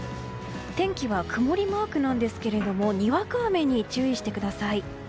天気は曇りマークなんですけれどもにわか雨に注意してください。